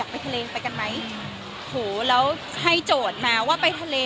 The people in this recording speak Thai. ไปทะเลไปกันไหมโหแล้วให้โจทย์มาว่าไปทะเล